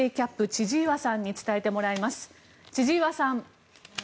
千々岩さん。